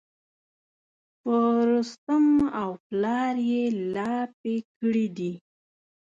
په رستم او پلار یې لاپې کړي دي.